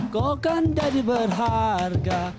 kau kan jadi berharga